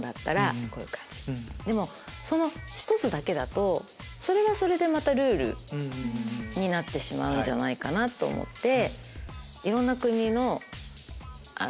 でもその１つだけだとそれはそれでルールになってしまうんじゃないかなと思って。